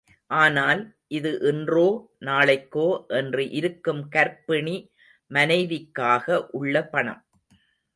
ஆனால், அது இன்றோ... நாளைக்கோ என்று இருக்கும் கர்ப்பிணி மனைவிக்காக உள்ள பணம்.